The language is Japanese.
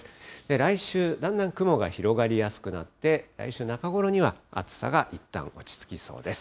来週、だんだん雲が広がりやすくなって、来週中ごろには、暑さがいったん落ち着きそうです。